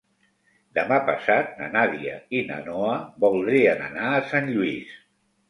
Demà passat na Nàdia i na Noa voldrien anar a Sant Lluís.